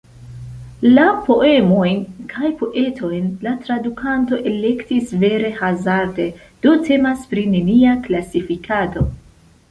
La poemojn kaj poetojn la tradukanto elektis vere hazarde, do temas pri nenia klasifikado.